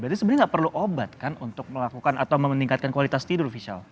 berarti sebenarnya nggak perlu obat kan untuk melakukan atau meningkatkan kualitas tidur fisikal